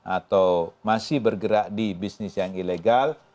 atau masih bergerak di bisnis yang ilegal